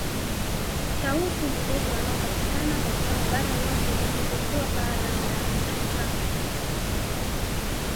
Tausi ni ndege wanaopatikana katika mabara yote isipokuwa bara la Antaktika